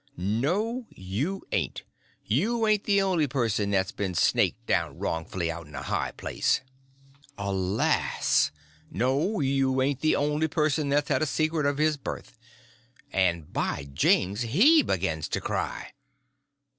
"No you ain't. You ain't the only person that's ben snaked down wrongfully out'n a high place." "Alas!" "No, you ain't the only person that's had a secret of his birth." And, by jings, he begins to cry.